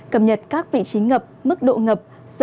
cập nhật các vị trí ngập mức độ ngập